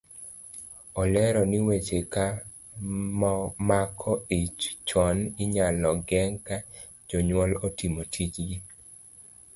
Olero ni weche ka mako ich chon inyalo geng' ka jonyuol otimo tijgi.